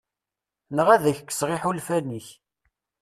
Neɣ ad ak-kkseɣ iḥulfan-ik.